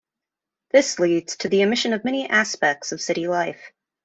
This leads to the omission of many aspects of city life.